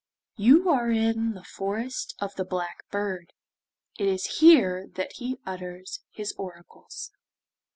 'You are in the Forest of the Black Bird; it is here that he utters his oracles.